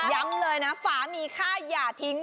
ย้ำเลยนะฝามีค่าอย่าทิ้ง